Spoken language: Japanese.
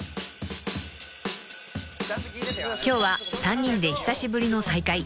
［今日は３人で久しぶりの再会］